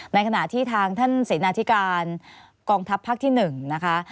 ในขณะที่ทางท่านเสนาธิการกองทัพภาคที่๑นะคะ